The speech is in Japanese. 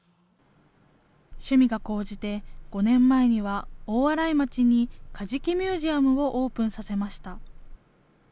趣味が高じて５年前には大洗町にカジキミュージアムをオープンさせました。